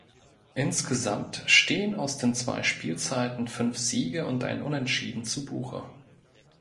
Insgesamt stehen aus den zwei Spielzeiten fünf Siege und ein Unentschieden zu Buche.